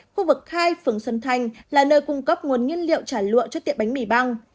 khu vực hai phường xuân thanh là nơi cung cấp nguồn nguyên liệu trả lụa cho tiệm bánh mì băng